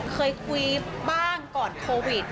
เคยคุยบ้างก่อนโควิด